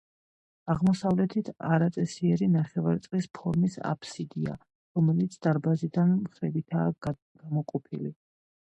აღმოსავლეთით არაწესიერი ნახევარწრის ფორმის აფსიდია, რომელიც დარბაზისაგან მხრებითაა გამოყოფილი.